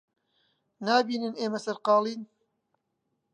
نابینن ئێمە سەرقاڵین؟